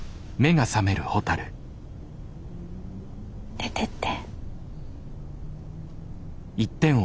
出てって。